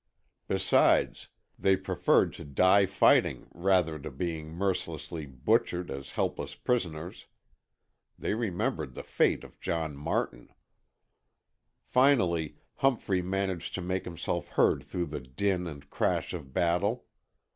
Besides, they preferred to die fighting rather to being mercilessly butchered as helpless prisoners. They remembered the fate of John Martin. Finally Humphrey managed to make himself heard through the din and crash of battle.